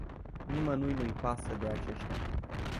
Nimănui nu îi pasă de aceștia.